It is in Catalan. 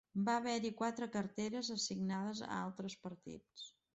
Va haver-hi quatre carteres assignades a altres partits.